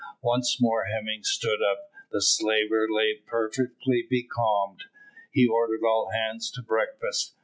Once more Hemming stood up. The slaver lay perfectly becalmed. He ordered all hands to breakfast.